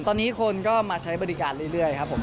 ตอนนี้คนก็มาใช้บริการเรื่อยครับผม